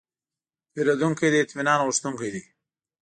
پیرودونکی د اطمینان غوښتونکی دی.